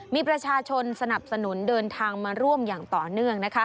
มีประชาชนสนับสนุนเดินทางมาร่วมอย่างต่อเนื่อง